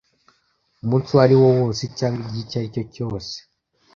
umunsi uwo ari wo wose cyangwa igihe icyo ari cyo cyose